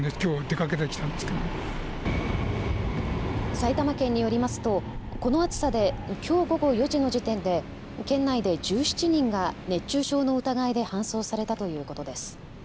埼玉県によりますとこの暑さできょう午後４時の時点で県内で１７人が熱中症の疑いで搬送されたということです。